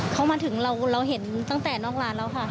เขามาถึงเราเห็นตั้งแต่นอกร้านแล้วค่ะ